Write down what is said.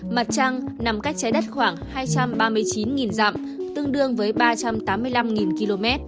mặt trăng nằm cách trái đất khoảng hai trăm ba mươi chín dặm tương đương với ba trăm tám mươi năm km